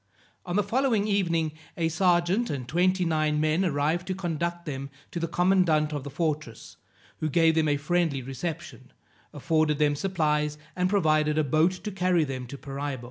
On the following evening, a serjeant and twenty nine men arrived to conduct them to the commandant of the fortress, who gave them a friendly reception, afforded them supplies, and provided a boat to carry them to Paraibo.